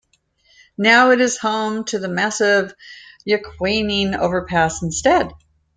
Now, it is home to the massive Yuquanying Overpass instead.